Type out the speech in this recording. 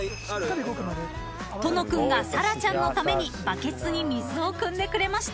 ［との君がサラちゃんのためにバケツに水をくんでくれました］